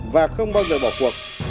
và không bao giờ bỏ cuộc